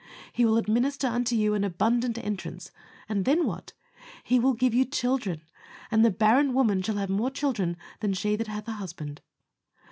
He will administer unto you an abundant entrance, and then what? He will give you CHILDREN; and the barren woman shall have more children than she that hath a husband.